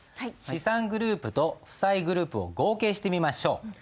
資産グループと負債グループを合計してみましょう。